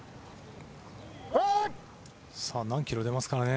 さあ何キロ出ますかね？